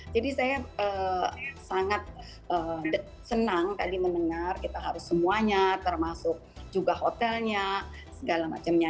jadi saya sangat senang tadi mendengar kita harus semuanya termasuk juga hotelnya segala macamnya